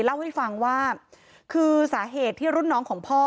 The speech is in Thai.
เล่าให้ฟังว่าคือสาเหตุที่รุ่นน้องของพ่อ